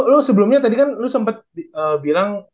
lo sebelumnya tadi kan lo sempat bilang